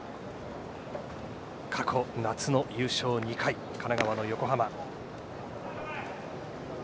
過去、夏の優勝２回神奈川の横浜。